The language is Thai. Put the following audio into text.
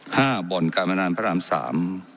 ห้าบ่อนกรรมนันพระรามสาม